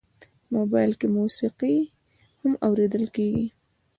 موبایل کې موسیقي هم اورېدل کېږي.